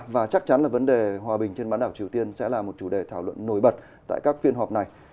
và chắc chắn là vấn đề hòa bình trên bán đảo triều tiên sẽ là một chủ đề thảo luận nổi bật tại các phiên họp này